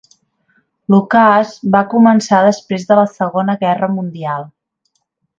L'ocàs va començar després de la segona guerra mundial.